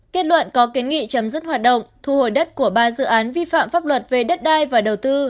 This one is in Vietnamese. kết luận có kiến nghị chấm dứt hoạt động thu hồi đất của ba dự án vi phạm pháp luật về đất đai và đầu tư